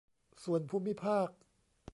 ส่วนภูมิภาค